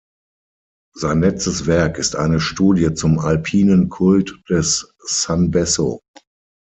Sein letztes Werk ist eine Studie zum alpinen Kult des "San Besso".